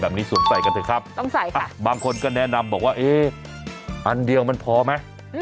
สวมใส่กันเถอะครับต้องใส่ค่ะบางคนก็แนะนำบอกว่าเอ๊ะอันเดียวมันพอไหม